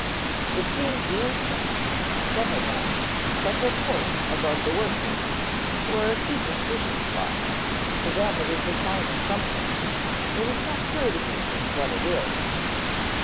It seems the insects, some of them, set their course above the workers, who are a superstitious lot. To them it is a sign of something, it is not clear to me just what it is."